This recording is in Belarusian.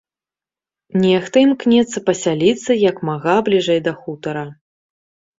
Нехта імкнецца пасяліцца як мага бліжэй да хутара.